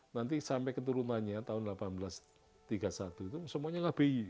nanti sampai keturunannya tahun seribu delapan ratus tiga puluh satu itu semuanya ngabey